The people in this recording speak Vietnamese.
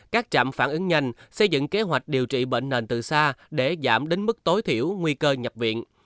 các trạm phản ứng nhanh xây dựng kế hoạch điều trị bệnh nền từ xa để giảm đến mức tối thiểu nguy cơ nhập viện